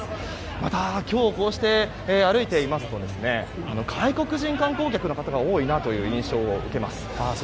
また今日こうして歩いていますと外国人観光客の方が多いなという印象を受けます。